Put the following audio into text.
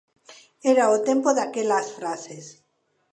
Era o tempo daquelas frases.